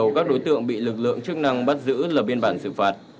cơ quan chức năng bị lực lượng chức năng bắt giữ lập biên bản xử phạt